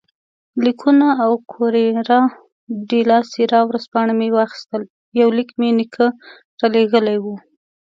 لیکونه او کوریره ډیلا سیرا ورځپاڼه مې واخیستل، یو لیک مې نیکه رالېږلی وو.